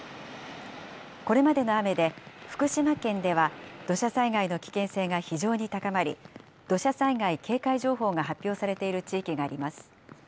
これまでの雨で、福島県では土砂災害の危険性が非常に高まり、土砂災害警戒情報が発表されている地域があります。